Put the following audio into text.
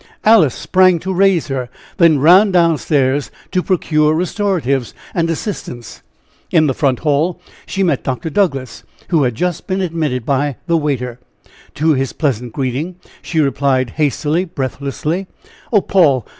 Alice sprang to raise her, then ran down stairs to procure restoratives and assistance. In the front hall she met Dr. Douglass, who had just been admitted by the waiter. To his pleasant greeting, she replied hastily, breathlessly: "Oh, Paul!